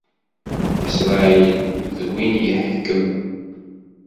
Isṛayil, d win yeḥkem.